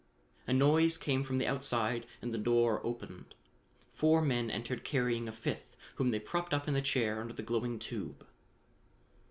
A noise came from the outside and the door opened. Four men entered carrying a fifth whom they propped up in the chair under the glowing tube.